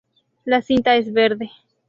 La cinta es verde.